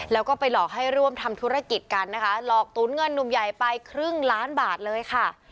แล้วก็ไปหลอกให้ร่วมทำธุรกิจกันนะคะหลอกตุ๋นเงินหนุ่มใหญ่ไปครึ่งล้านบาทเลยค่ะ